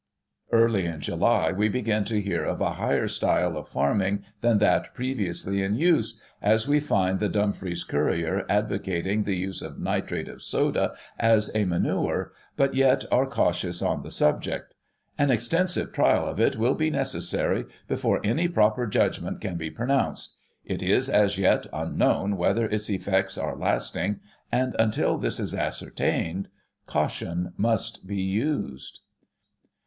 Early in July, we begin to hear of a higher style of farming than that previously in use, as we find the Dumfries Courier advocating the use of nitrate of soda as a manure, but, yet, are cautious on the subject. — "An extensive trial of it will be necessary before any proper judgment can be pronounced. It is, as yet, unknown whether its effects are lasting, and until this is ascertained, caution must be used."